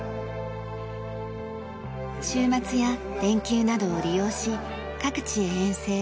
週末や連休などを利用し各地へ遠征。